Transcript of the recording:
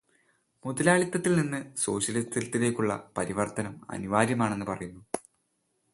മുതലാളിത്തത്തിൽ നിന്ന് സോഷ്യലിസത്തിലേക്കുള്ള പരിവർത്തനം അനിവാര്യമാണെന്നു പറയുന്നു.